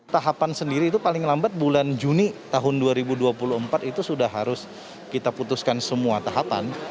tahapan sendiri itu paling lambat bulan juni tahun dua ribu dua puluh empat itu sudah harus kita putuskan semua tahapan